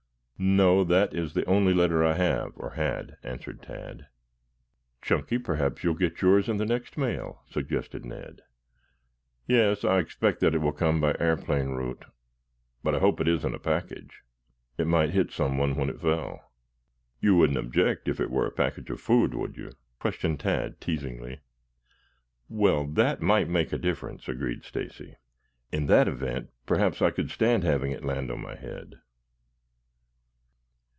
"No; that is the only letter I have, or had," answered Tad. "Chunky, perhaps you will get yours in the next mail," suggested Ned. "Yes; I expect that it will come by airplane route, but I hope it isn't a package. It might hit someone when it fell." "You wouldn't object were it a package of food, would you?" questioned Tad teasingly. "Well, that might make a difference," agreed Stacy. "In that event perhaps I could stand having it land on my head."